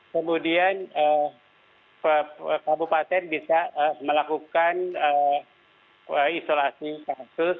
kemudian kabupaten bisa melakukan isolasi kasus